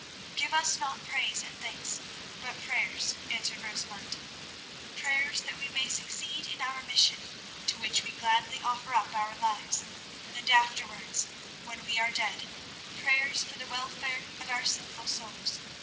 "Give us not praise and thanks, but prayers," answered Rosamund; "prayers that we may succeed in our mission, to which we gladly offer up our lives, and afterwards, when we are dead, prayers for the welfare of our sinful souls.